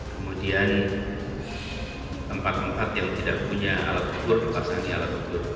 kemudian tempat tempat yang tidak punya alat ukur dipasangnya alat ukur